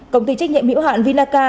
công ty trách nhiệm hữu hạn vinaca